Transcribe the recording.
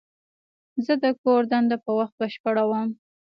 زه د کور دنده په وخت بشپړوم.